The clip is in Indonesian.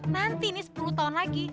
nanti ini sepuluh tahun lagi